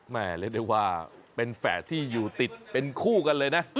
เรียกได้ว่าเป็นแฝดที่อยู่ติดเป็นคู่กันเลยนะ